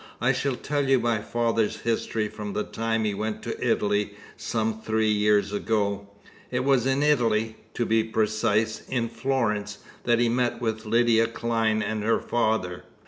I shall tell you my father's history from the time he went to Italy some three years ago. It was in Italy to be precise, in Florence that he met with Lydia Clyne and her father."